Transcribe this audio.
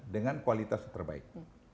dengan kualitas terbaik